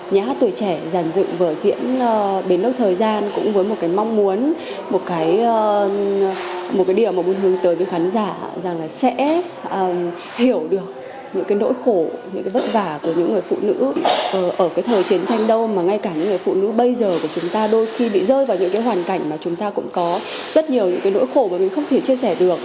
nhà hát tuổi trẻ giàn dựng vở diễn bến nước thời gian cũng với một cái mong muốn một cái điều mà muốn hướng tới với khán giả rằng là sẽ hiểu được những cái nỗi khổ những cái vất vả của những người phụ nữ ở cái thời chiến tranh đâu mà ngay cả những người phụ nữ bây giờ của chúng ta đôi khi bị rơi vào những cái hoàn cảnh mà chúng ta cũng có rất nhiều những cái nỗi khổ mà mình không thể chia sẻ được